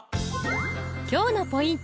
今日のポイント